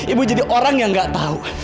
ibu jadi orang yang gak tahu